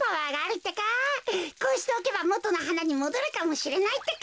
こうしておけばもとのはなにもどるかもしれないってか。